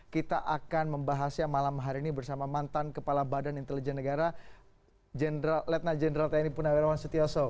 kita akan membahasnya malam hari ini bersama mantan kepala badan intelijen negara letna jenderal tni punawirawan setioso